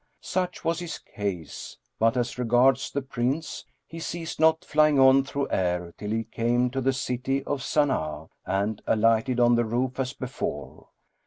Such was his case; but as regards the Prince, he ceased not flying on through air till he came to the city of Sana'a and alighted on the roof as before.